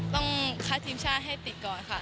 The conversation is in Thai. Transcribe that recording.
ต้องคัดทีมชาติให้ติดก่อนค่ะ